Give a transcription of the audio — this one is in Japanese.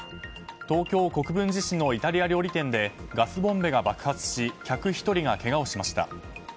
東京・国分寺市のイタリア料理店でガスボンベが爆発し客１人がけがをしました。